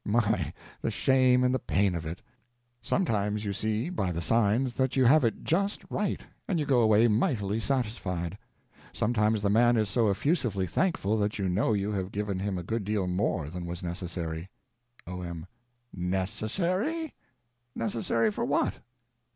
My, the shame and the pain of it! Sometimes you see, by the signs, that you have it just right, and you go away mightily satisfied. Sometimes the man is so effusively thankful that you know you have given him a good deal more than was necessary. O.M. Necessary? Necessary for what?